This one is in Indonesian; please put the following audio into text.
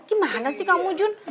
gimana sih kamu jun